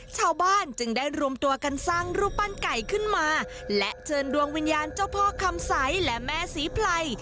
ชาวบ้านจึงได้รวมตัวกันสร้างรูปปั้นไก่ขึ้นมาและเชิญดวงวิญญาณเจ้าพ่อคำใสและแม่ศรีไพร